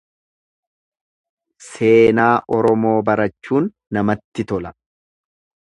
Seenaa Oromoo barachuun namatti tola.